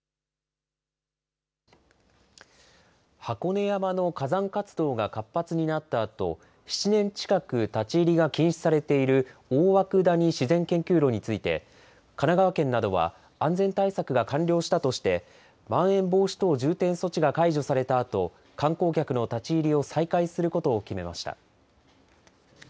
箱根山の火山活動が活発になったあと、７年近く立ち入りが禁止されている大涌谷自然研究路について、神奈川県などは安全対策が完了したとして、まん延防止等重点措置が解除されたあと、観光客の立ち入りを再開することを決めました。